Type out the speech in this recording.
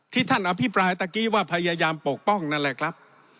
ท่านอภิปรายตะกี้ว่าพยายามปกป้องนั่นแหละครับ